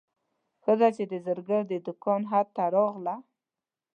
ښځه چې د زرګر د دوکان حد ته راغله.